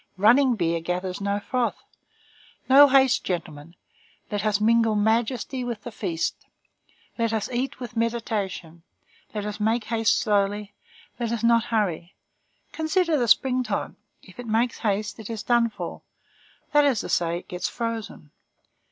Running beer gathers no froth. No haste, gentlemen. Let us mingle majesty with the feast. Let us eat with meditation; let us make haste slowly. Let us not hurry. Consider the springtime; if it makes haste, it is done for; that is to say, it gets frozen.